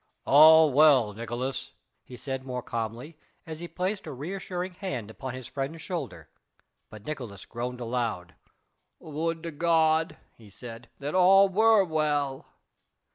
"All well, Nicolaes," he said more calmly as he placed a re assuring hand upon his friend's shoulder. But Nicolaes groaned aloud. "Would to God," he said, "that all were well!"